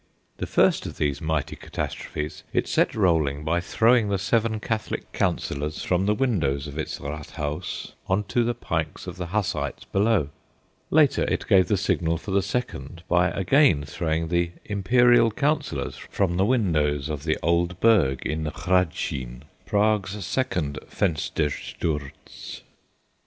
The first of these mighty catastrophes it set rolling by throwing the seven Catholic councillors from the windows of its Rathhaus on to the pikes of the Hussites below. Later, it gave the signal for the second by again throwing the Imperial councillors from the windows of the old Burg in the Hradschin Prague's second "Fenstersturz."